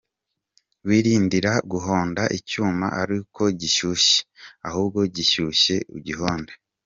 Wirindira guhonda icyuma aruko gishyushye; ahubwo gishyushye ugihonda”.